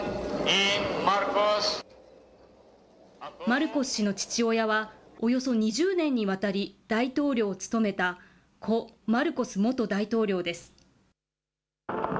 マルコス氏の父親は、およそ２０年にわたり大統領を務めた故・マルコス元大統領です。